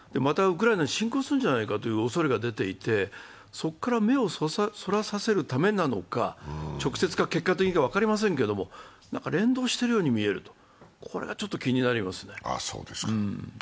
またウクライナに侵攻するんじゃないかというおそれが出ていて、そこから目をそらさせるためなのか直接か結果的にかは分かりませんけれども連動しているように見える、これがちょっと気になりますね。